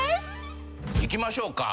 いきましょうか。